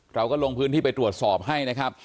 เราก็ลงพื้นที่ไปตรวจสอบให้นะครับ